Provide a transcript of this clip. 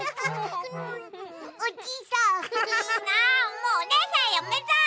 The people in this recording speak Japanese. もうおねえさんやめた！